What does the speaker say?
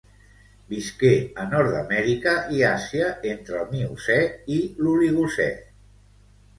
Visqué a Nord-Amèrica i Àsia entre el Miocè i l'Oligocè.